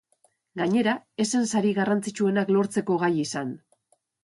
Gainera, ez zen sari garrantzitsuenak lortzeko gai izan.